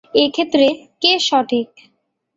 এক্ষেত্রে কে সঠিক?